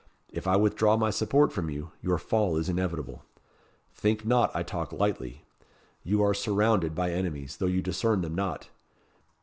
If I withdraw my support from you, your fall is inevitable. Think not I talk lightly. You are surrounded by enemies, though you discern them not.